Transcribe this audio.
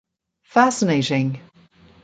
Fascinating.